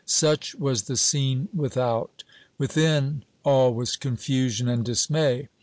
Such was the scene without. Within, all was confusion and dismay.